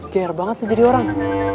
gaya banget lo jadi orang